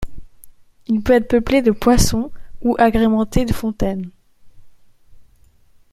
Il peut être peuplé de poissons ou agrémenté de fontaines.